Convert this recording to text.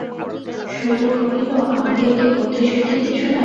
শৈল কহিল, আমাদের কি বুদ্ধিশুদ্ধি কিছু নাই?